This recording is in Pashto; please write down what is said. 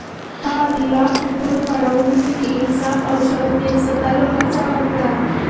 هغه د واک په ټولو پړاوونو کې د انصاف او شفافيت ساتلو هڅه وکړه.